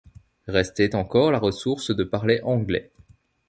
Restait encore la ressource de parler anglais.